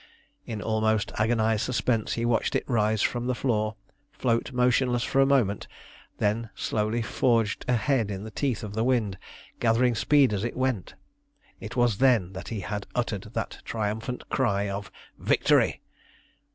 In almost agonised suspense he watched it rise from the floor, float motionless for a moment, and then slowly forge ahead in the teeth of the wind, gathering speed as it went. It was then that he had uttered that triumphant cry of "Victory!"